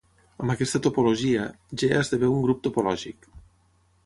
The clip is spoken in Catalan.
Amb aquesta topologia, "G" esdevé un grup topològic.